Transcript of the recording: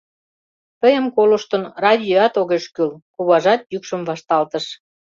— Тыйым колыштын, радиоат огеш кӱл, — куважат йӱкшым вашталтыш.